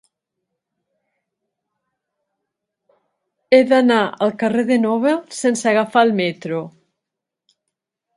He d'anar al carrer de Nobel sense agafar el metro.